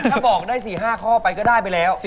ถ้าบอกได้๔๕ข้อไปก็ได้ไปแล้ว